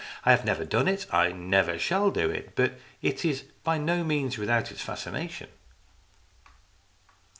I have never done it, and never shall do it. But it is by no means without its fascination."